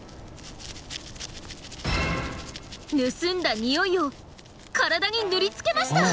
盗んだ匂いを体に塗りつけました！